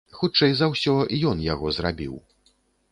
Хутчэй за ўсё, ён яго зрабіў.